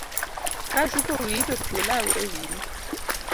Ka isuko wiyi to twe law ewiyi